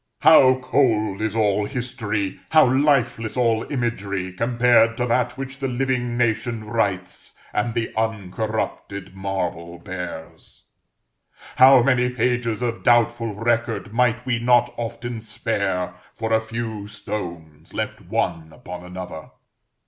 How cold is all history how lifeless all imagery, compared to that which the living nation writes, and the uncorrupted marble bears! how many pages of doubtful record might we not often spare, for a few stones left one upon another!